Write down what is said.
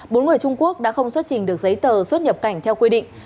bốn người trung quốc đã không xuất trình được giấy tờ xuất nhập cảnh theo quy định